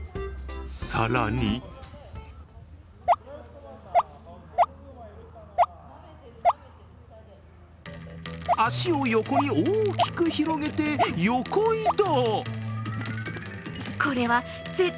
更に足を横に大きく広げて横移動。